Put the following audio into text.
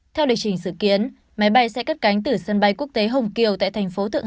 theo địch chỉnh sự kiến máy bay sẽ cất cánh từ sân bay quốc tế hồng kiều tại thành phố thượng